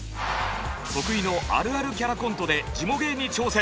得意のあるあるキャラコントでジモ芸に挑戦！